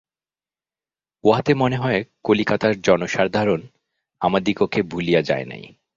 উহাতে মনে হয়, কলিকাতার জনসাধারণ আমাদিগকে ভুলিয়া যায় নাই।